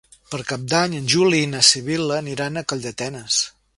Per Cap d'Any en Juli i na Sibil·la aniran a Calldetenes.